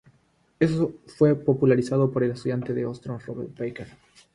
Esto fue popularizado por el estudiante de Ostrom Robert Bakker.